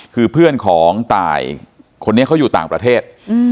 คือเพื่อนของตายคนนี้เขาอยู่ต่างประเทศ